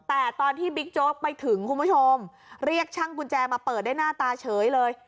แต่ตอนที่บิ๊กโจ๊กไปถึงคุณผู้ชมเรียกช่างกุญแจมาเปิดได้หน้าตาเฉยเลย